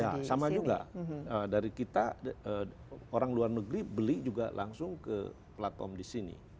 ya sama juga dari kita orang luar negeri beli juga langsung ke platform di sini